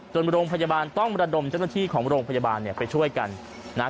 โรงพยาบาลต้องระดมเจ้าหน้าที่ของโรงพยาบาลเนี่ยไปช่วยกันนะฮะ